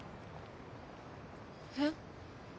えっ？